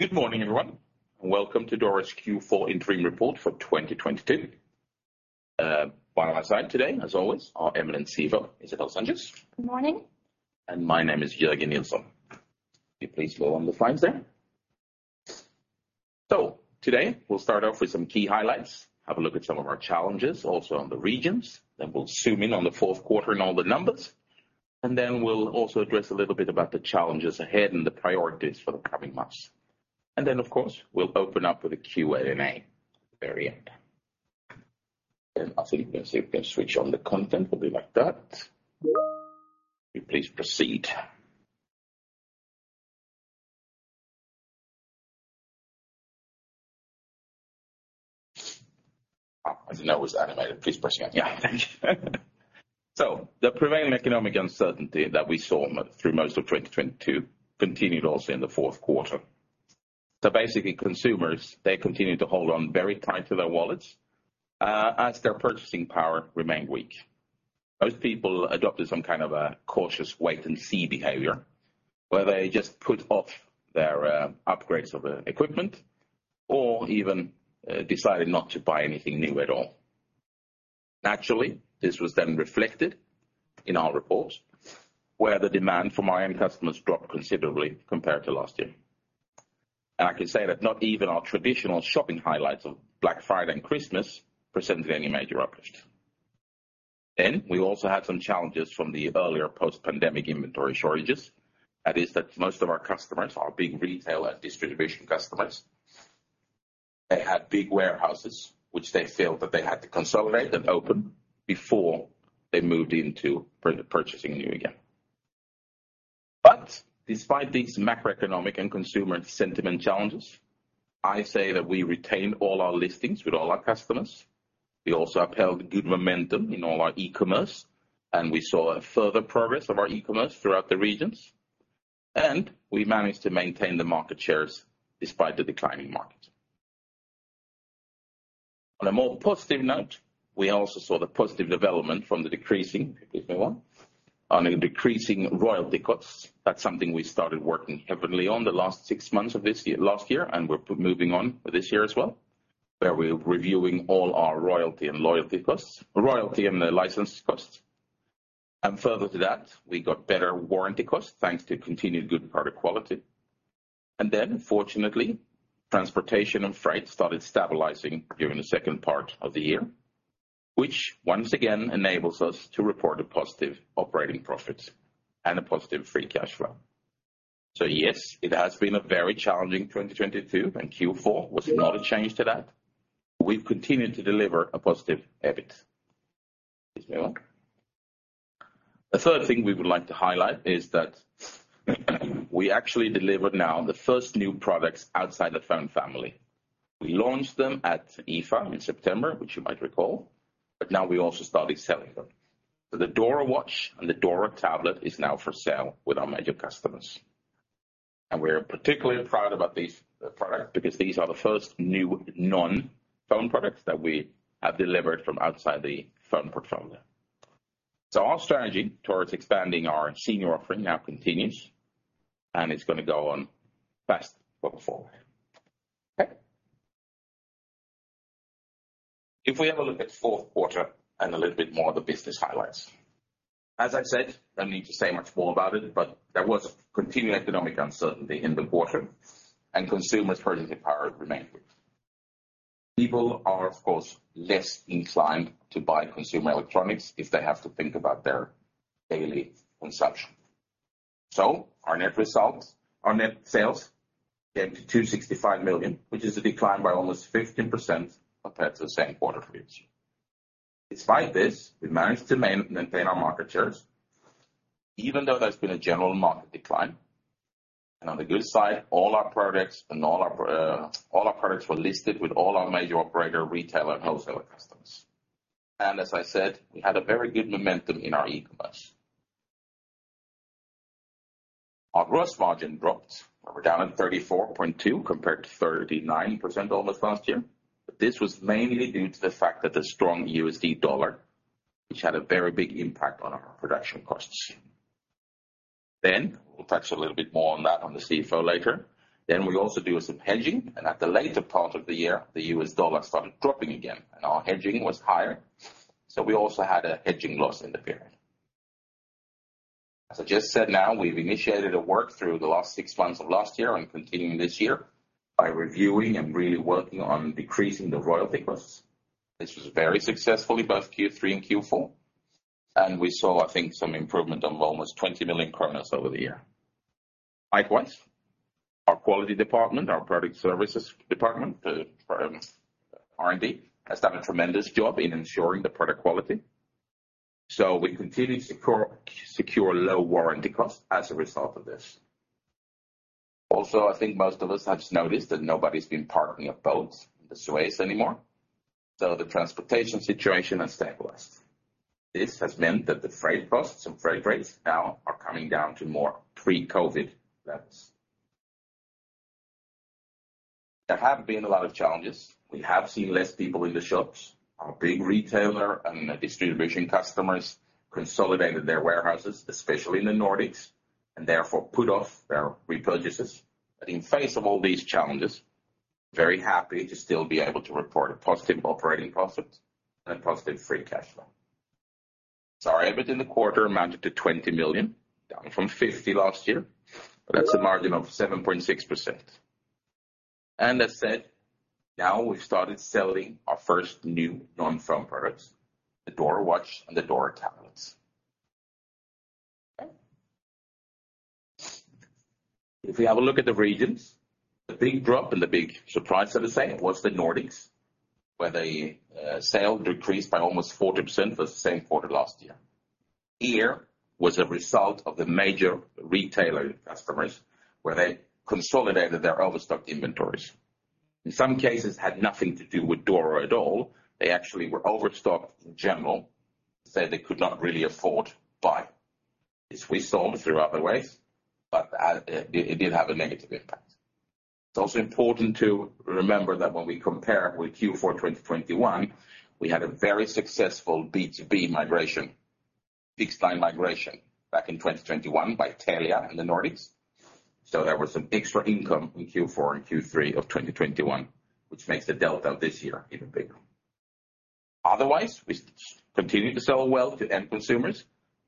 Good morning, everyone. Welcome to Doro's Q4 interim report for 2022. By my side today, as always, our eminent CFO, Isabelle Sengès. Good morning. My name is Jörgen Nilsson. Will you please roll on the slides there? Today we'll start off with some key highlights, have a look at some of our challenges also on the regions, then we'll zoom in on the 4th quarter and all the numbers, and then we'll also address a little bit about the challenges ahead and the priorities for the coming months. Of course, we'll open up with a Q&A at the very end. As you can see, we can switch on the content a bit like that. Can you please proceed? Oh, I didn't know it was animated. Please proceed. Yeah. The prevailing economic uncertainty that we saw through most of 2022 continued also in the 4th quarter. Basically, consumers, they continued to hold on very tight to their wallets, as their purchasing power remained weak. Most people adopted some kind of a cautious wait and see behavior, where they just put off their upgrades of equipment or even decided not to buy anything new at all. Naturally, this was then reflected in our report where the demand from our end customers dropped considerably compared to last year. I can say that not even our traditional shopping highlights of Black Friday and Christmas presented any major uplift. We also had some challenges from the earlier post-pandemic inventory shortages. That is that most of our customers are big retailer distribution customers. They had big warehouses, which they felt that they had to consolidate and open before they moved into purchasing new again. Despite these macroeconomic and consumer sentiment challenges, I say that we retained all our listings with all our customers. We also upheld good momentum in all our e-commerce, and we saw a further progress of our e-commerce throughout the regions, and we managed to maintain the market shares despite the declining market. On a more positive note, we also saw the positive development from the decreasing royalty costs. That's something we started working heavily on the last six months of last year, and we're moving on this year as well, where we're reviewing all our royalty and the license costs. Further to that, we got better warranty costs, thanks to continued good product quality. Fortunately, transportation and freight started stabilizing during the second part of the year, which once again enables us to report a positive operating profit and a positive free cash flow. Yes, it has been a very challenging 2022, and Q4 was not a change to that. We've continued to deliver a positive EBIT. Give me one. A third thing we would like to highlight is that we actually delivered now the first new products outside the phone family. We launched them at IFA in September, which you might recall, but now we also started selling them. The Doro Watch and the Doro Tablet is now for sale with our major customers. We're particularly proud about these products because these are the first new non-phone products that we have delivered from outside the phone portfolio. Our strategy towards expanding our senior offering now continues, and it's gonna go on fast going forward. Okay. If we have a look at 4th quarter and a little bit more of the business highlights. As I've said, no need to say much more about it, but there was continued economic uncertainty in the quarter and consumers' purchasing power remained weak. People are, of course, less inclined to buy consumer electronics if they have to think about their daily consumption. Our net sales came to 265 million, which is a decline by almost 15% compared to the same quarter of previous year. Despite this, we managed to maintain our market shares even though there's been a general market decline. On the good side, all our products and all our products were listed with all our major operator, retailer, and wholesaler customers. As I said, we had a very good momentum in our e-commerce. Our gross margin dropped. We're down at 34.2 compared to 39% almost last year. This was mainly due to the fact that the strong USD dollar, which had a very big impact on our production costs. We'll touch a little bit more on that on the CFO later. We also do some hedging, and at the later part of the year, the US dollar started dropping again and our hedging was higher, so we also had a hedging loss in the period. As I just said now, we've initiated a work through the last six months of last year and continuing this year by reviewing and really working on decreasing the royalty costs. This was very successful in both Q3 and Q4, we saw, I think, some improvement on almost 20 million over the year. Likewise, our quality department, our product services department, the R&D, has done a tremendous job in ensuring the product quality. We continue to secure low warranty costs as a result of this. I think most of us have noticed that nobody's been parking up boats in the Suez anymore, the transportation situation has stabilized. This has meant that the freight costs and freight rates now are coming down to more pre-COVID levels. There have been a lot of challenges. We have seen less people in the shops. Our big retailer and distribution customers consolidated their warehouses, especially in the Nordics, and therefore put off their repurchases. In face of all these challenges, very happy to still be able to report a positive operating profit and a positive free cash flow. Our EBITDA in the quarter amounted to 20 million, down from 50 million last year, but that's a margin of 7.6%. As said, now we've started selling our first new non-phone products, the Doro Watch and the Doro Tablet. If we have a look at the regions, the big drop and the big surprise are the same, was the Nordics, where the sale decreased by almost 40% for the same quarter last year. Here was a result of the major retailer customers, where they consolidated their overstocked inventories. In some cases, had nothing to do with Doro at all. They actually were overstocked in general, so they could not really afford to buy. This we sold through other ways, but it did have a negative impact. It's also important to remember that when we compare with Q4, 2021, we had a very successful B2B migration, fixed line migration back in 2021 by Telia in the Nordics. There was some extra income in Q4 and Q3 of 2021, which makes the delta this year even bigger. Otherwise, we continue to sell well to end consumers,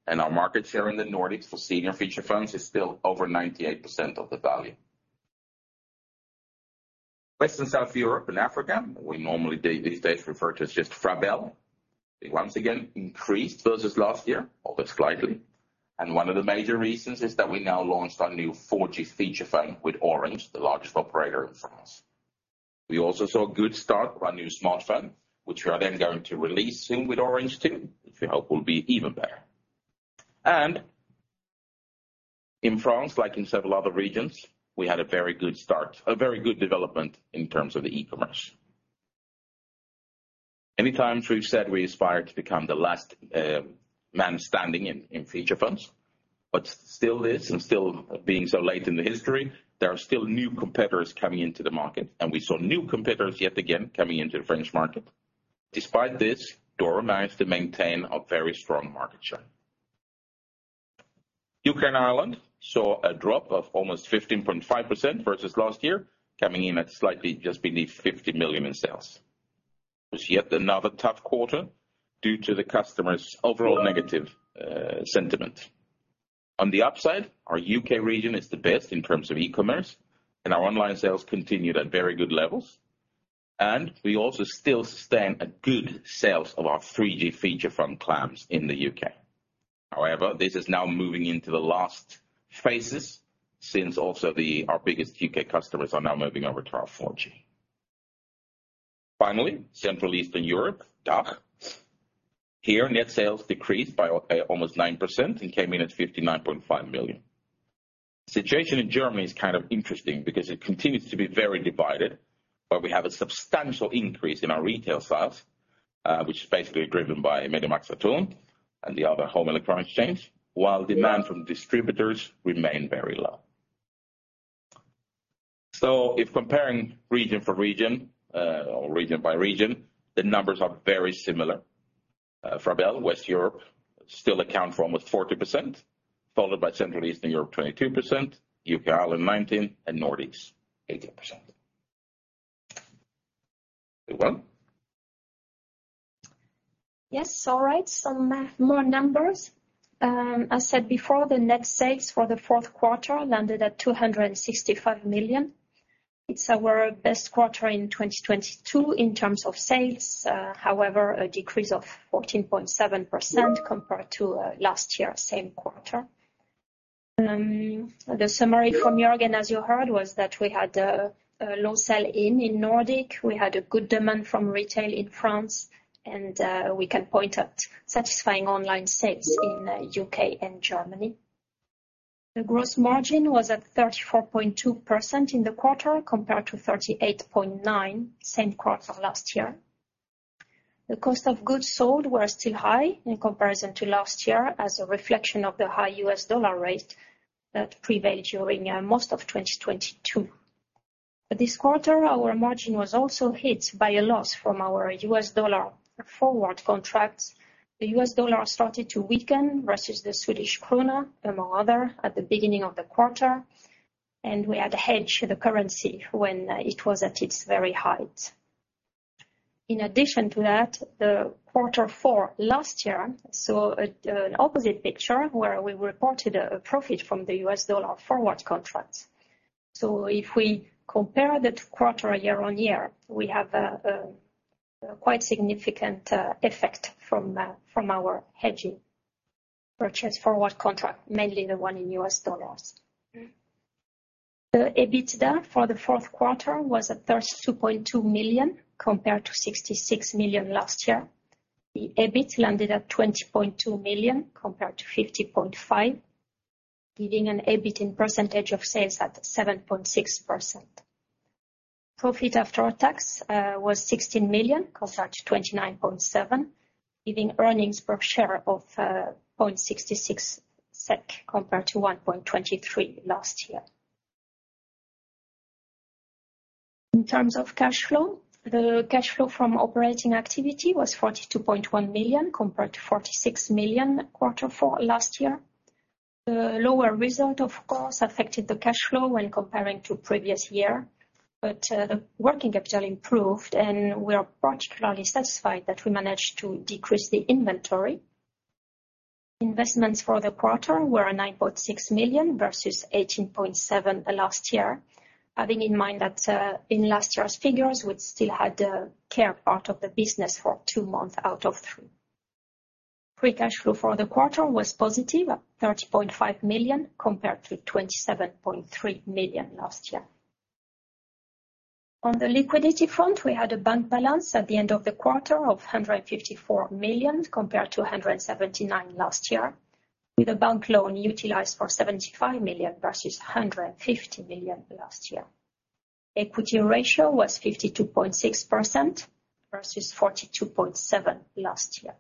and our market share in the Nordics for senior feature phones is still over 98% of the value. West and South Europe and Africa, we normally these days refer to as just Frabel. They once again increased versus last year, albeit slightly. One of the major reasons is that we now launched our new 4G feature phone with Orange, the largest operator in France. We also saw a good start for our new smartphone, which we are then going to release soon with Orange too, which we hope will be even better. In France, like in several other regions, we had a very good start, a very good development in terms of the e-commerce. Many times we've said we aspire to become the last man standing in feature phones. Still this and still being so late in the history, there are still new competitors coming into the market, and we saw new competitors yet again coming into the French market. Despite this, Doro managed to maintain a very strong market share. U.K. and Ireland saw a drop of almost 15.5% versus last year, coming in at slightly just beneath 50 million in sales. It was yet another tough quarter due to the customers' overall negative sentiment. On the upside, our U.K. region is the best in terms of e-commerce, our online sales continued at very good levels. We also still sustain a good sales of our 3G feature phone clams in the U.K. However, this is now moving into the last phases since also our biggest U.K. customers are now moving over to our 4G. Finally, Central Eastern Europe, DACH. Here, net sales decreased by almost 9% and came in at 59.5 million. The situation in Germany is kind of interesting because it continues to be very divided, where we have a substantial increase in our retail sales, which is basically driven by MediaMarktSaturn and the other home electronics chains, while demand from distributors remain very low. If comparing region for region, or region by region, the numbers are very similar. Frabel, West Europe still account for almost 40%, followed by Central Eastern Europe, 22%, UK, Ireland, 19%, and Nordics, 18%. Yvonne? Yes, all right. Some more numbers. As said before, the net sales for the 4th quarter landed at 265 million. It's our best quarter in 2022 in terms of sales. However, a decrease of 14.7% compared to last year same quarter. The summary from Jörgen, as you heard, was that we had a low sell-in in Nordic. We had a good demand from retail in France, and we can point at satisfying online sales in U.K. and Germany. The gross margin was at 34.2% in the quarter, compared to 38.9% same quarter last year. The cost of goods sold were still high in comparison to last year as a reflection of the high U.S. dollar rate that prevailed during most of 2022. This quarter, our margin was also hit by a loss from our US dollar forward contracts. The US dollar started to weaken versus the Swedish krona, among other, at the beginning of the quarter, and we had hedged the currency when it was at its very height. In addition to that, the quarter four last year saw an opposite picture where we reported a profit from the US dollar forward contracts. If we compare that quarter year-on-year, we have a quite significant effect from our hedging purchase forward contract, mainly the one in US dollars. The EBITDA for the 4th quarter was at 32.2 million, compared to 66 million last year. The EBIT landed at 20.2 million compared to 50.5 million, giving an EBIT in percentage of sales at 7.6%. Profit after tax was 16 million versus 29.7 million, giving earnings per share of 0.66 SEK compared to 1.23 last year. In terms of cash flow, the cash flow from operating activity was 42.1 million, compared to 46 million quarter four last year. The lower result, of course, affected the cash flow when comparing to previous year. The working capital improved, and we are particularly satisfied that we managed to decrease the inventory. Investments for the quarter were 9.6 million, versus 18.7 million last year. Having in mind that in last year's figures, we still had the care part of the business for two months out of three. Free cash flow for the quarter was positive at 30.5 million, compared to 27.3 million last year. On the liquidity front, we had a bank balance at the end of the quarter of 154 million, compared to 179 million last year, with a bank loan utilized for 75 million versus 150 million last year. Equity ratio was 52.6% versus 42.7% last year.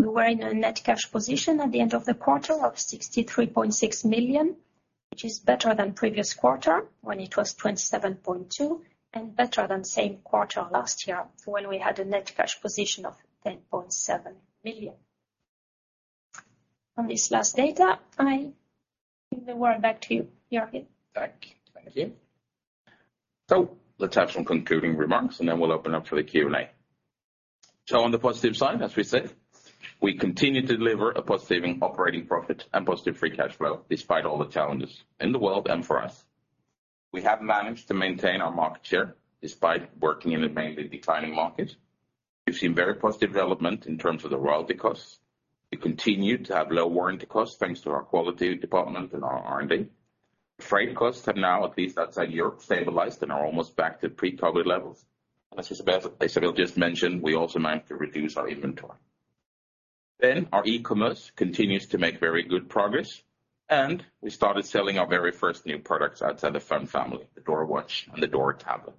We were in a net cash position at the end of the quarter of 63.6 million, which is better than previous quarter when it was 27.2 million, and better than same quarter last year when we had a net cash position of 10.7 million. On this last data, I give the word back to you, Jörgen. Thank you. Let's have some concluding remarks, and then we'll open up for the Q&A. On the positive side, as we said, we continue to deliver a positive operating profit and positive free cash flow despite all the challenges in the world and for us. We have managed to maintain our market share despite working in a mainly declining market. We've seen very positive development in terms of the royalty costs. We continue to have low warranty costs, thanks to our quality department and our R&D. Freight costs have now, at least outside Europe, stabilized and are almost back to pre-COVID levels. As Isabelle just mentioned, we also managed to reduce our inventory. Our e-commerce continues to make very good progress, and we started selling our very first new products outside the phone family, the Doro Watch and the Doro Tablet.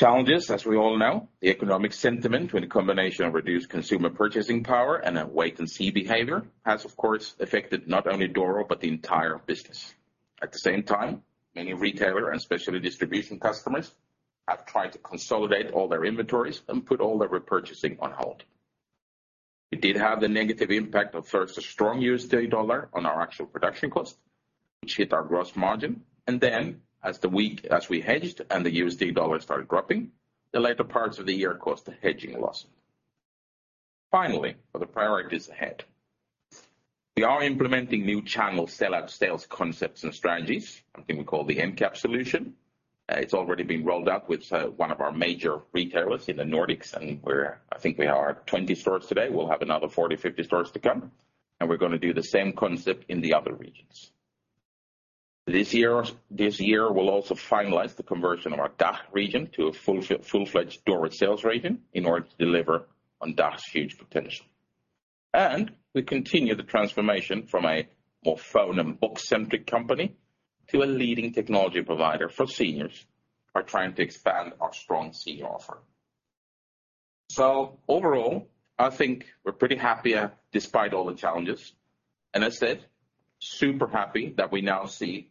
Challenges, as we all know, the economic sentiment with a combination of reduced consumer purchasing power and a wait-and-see behavior has, of course, affected not only Doro but the entire business. At the same time, many retailer and specialty distribution customers have tried to consolidate all their inventories and put all their repurchasing on hold. We did have the negative impact of first, a strong USD dollar on our actual production cost, which hit our gross margin, and then as we hedged and the USD dollar started dropping, the later parts of the year caused a hedging loss. Finally, for the priorities ahead, we are implementing new channel sell-out sales concepts and strategies, something we call the MCAP solution. It's already been rolled out with one of our major retailers in the Nordics, and I think we are at 20 stores today. We'll have another 40, 50 stores to come, and we're gonna do the same concept in the other regions. This year, we'll also finalize the conversion of our DACH region to a full-fledged Doro sales region in order to deliver on DACH's huge potential. We continue the transformation from a more phone and book-centric company to a leading technology provider for seniors by trying to expand our strong senior offer. Overall, I think we're pretty happy, despite all the challenges. As said, super happy that we now see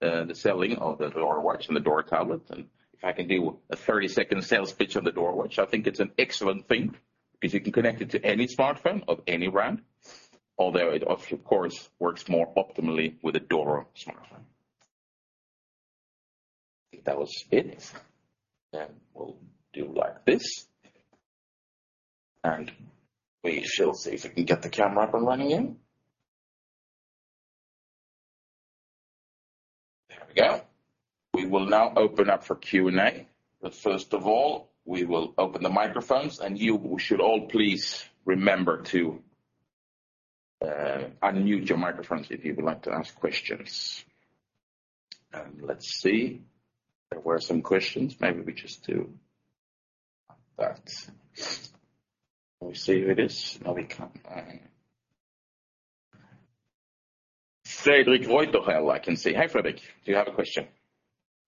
the selling of the Doro Watch and the Doro Tablet. If I can do a 30-second sales pitch on the Doro Watch, I think it's an excellent thing because you can connect it to any smartphone of any brand, although it of course works more optimally with a Doro smartphone. I think that was it. We'll do like this. We shall see if we can get the camera up and running again. There we go. We will now open up for Q&A. First of all, we will open the microphones, and you should all please remember to unmute your microphones if you would like to ask questions. Let's see. There were some questions. Maybe we just do that. Can we see who it is? No, we can't. Fredrik I can see. Hi, Fredrik. Do you have a question?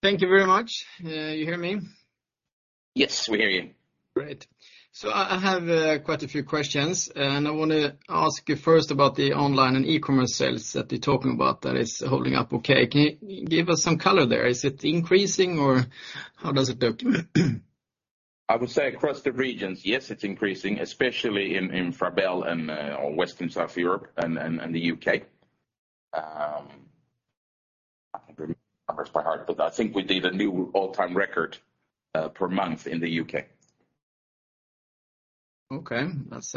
Thank you very much. You hear me? Yes, we hear you. Great. I have quite a few questions, and I wanna ask you first about the online and e-commerce sales that you're talking about that is holding up okay. Can you give us some color there? Is it increasing, or how does it look? I would say across the regions, yes, it's increasing, especially in Frabel and or West and South Europe and the UK. I can't remember numbers by heart, but I think we did a new all-time record per month in the UK. Okay. That's...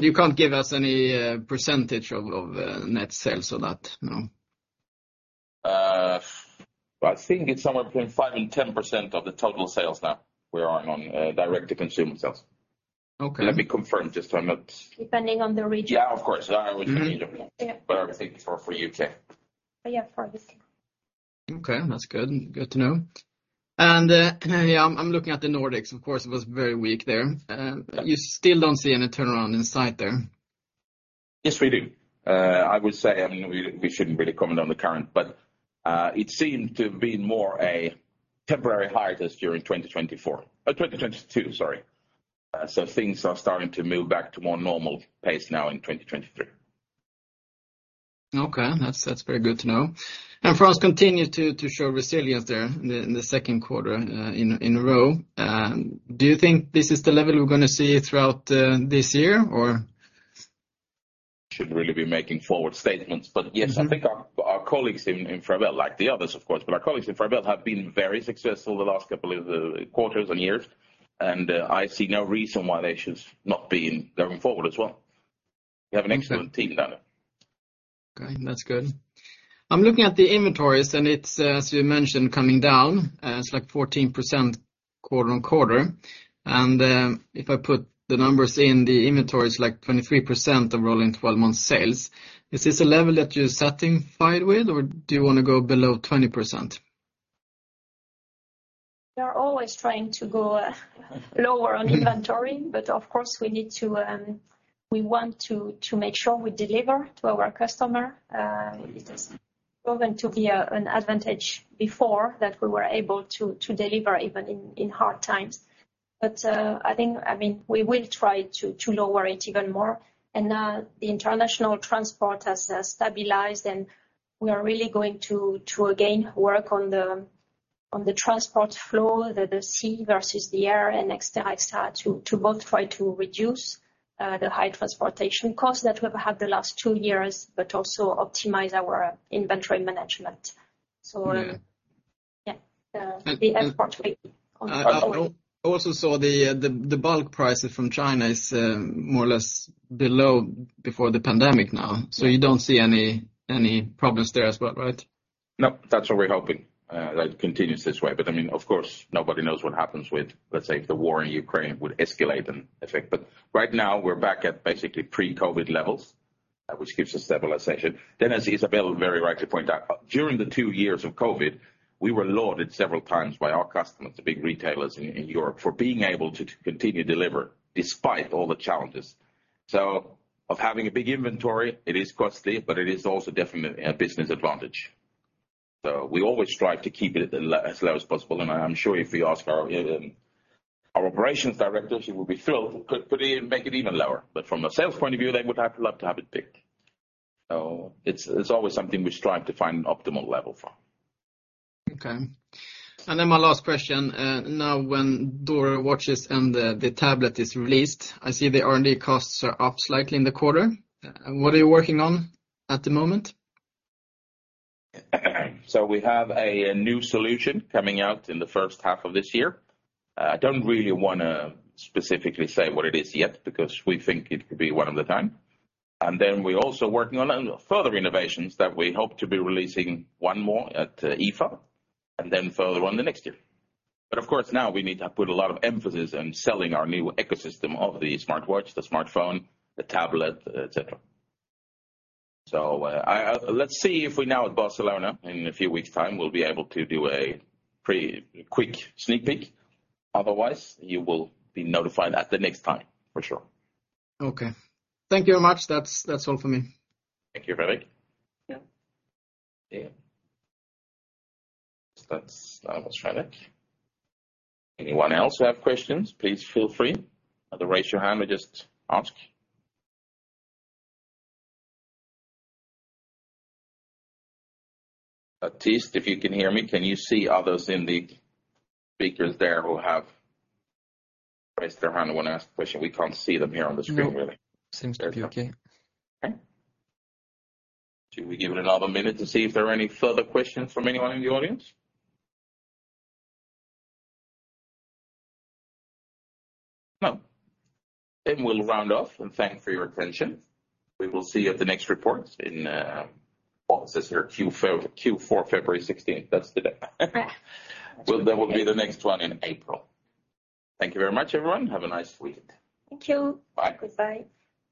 You can't give us any percentage of net sales on that, no? Well, I think it's somewhere between 5% and 10% of the total sales now we are on, direct-to-consumer sales. Okay. Let me confirm just so I'm not- Depending on the region. Yeah, of course. region. Yeah. I was thinking for UK. Yeah, for this year. Okay, that's good. Good to know. Yeah, I'm looking at the Nordics. Of course, it was very weak there. You still don't see any turnaround in sight there? Yes, we do. I would say, I mean, we shouldn't really comment on the current, but it seemed to have been more a temporary hiatus during 2024, 2022, sorry. Things are starting to move back to more normal pace now in 2023. Okay. That's very good to know. France continued to show resilience there in the second quarter in a row. Do you think this is the level we're gonna see throughout this year or? Shouldn't really be making forward statements. Mm-hmm. Yes, I think our colleagues in Frabel, like the others of course, but our colleagues in Frabel have been very successful the last couple of quarters and years, and I see no reason why they should not be going forward as well. We have an excellent team there. Okay, that's good. I'm looking at the inventories, and it's, as you mentioned, coming down. It's like 14% quarter-on-quarter. If I put the numbers in the inventories, like 23% of rolling 12-month sales. Is this a level that you're satisfied with, or do you wanna go below 20%? We are always trying to go lower on inventory, but of course, we need to, we want to make sure we deliver to our customer. It has proven to be an advantage before that we were able to deliver even in hard times. I think, I mean, we will try to lower it even more. The international transport has stabilized, and we are really going to again work on the transport flow, the sea versus the air and et cetera, to both try to reduce the high transportation costs that we've had the last two years, but also optimize our inventory management. Yeah. Yeah. The air freight. I also saw the bulk prices from China is more or less below before the pandemic now. You don't see any problems there as well, right? No, that's what we're hoping that continues this way. I mean, of course, nobody knows what happens with, let's say, if the war in Ukraine would escalate and affect. Right now, we're back at basically pre-COVID levels, which gives a stabilization. As Isabelle Sengès very rightly pointed out, during the two years of COVID, we were loaded several times by our customers, the big retailers in Europe, for being able to continue to deliver despite all the challenges. Of having a big inventory, it is costly, but it is also definitely a business advantage. We always strive to keep it as low as possible. I'm sure if we ask our operations director, she will be thrilled. Could even make it even lower. From a sales point of view, they would have loved to have it big. It's always something we strive to find an optimal level for. Okay. My last question, now when Doro Watch and the Doro Tablet is released, I see the R&D costs are up slightly in the quarter. What are you working on at the moment? We have a new solution coming out in the first half of this year. I don't really wanna specifically say what it is yet because we think it could be one of the time. Then we're also working on further innovations that we hope to be releasing one more at IFA and then further on the next year. Of course, now we need to put a lot of emphasis on selling our new ecosystem of the smartwatch, the smartphone, the tablet, et cetera. Let's see if we now at Barcelona in a few weeks time, we'll be able to do a pretty quick sneak peek. Otherwise, you will be notified at the next time for sure. Okay. Thank you very much. That's all for me. Thank you, Fredrik. Yeah. Yeah. That's, Fredrik. Anyone else have questions? Please feel free. Either raise your hand or just ask. Baptiste, if you can hear me, can you see others in the speakers there who have raised their hand and wanna ask a question? We can't see them here on the screen really. No. Seems to be okay. Okay. Should we give it another minute to see if there are any further questions from anyone in the audience? No. We'll round off and thank for your attention. We will see you at the next report in, what's this here? Q4, February 16th. That's the day. Yeah. Well, that will be the next one in April. Thank you very much, everyone. Have a nice week. Thank you. Bye. Goodbye.